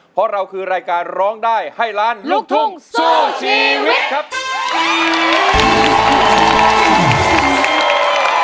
เพราะเราคือรายการร้องได้ให้ล้านลูกทุ่งสู้ชีวิตครับ